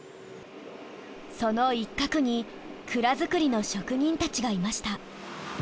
その一角に鞍作りの職人たちがいました。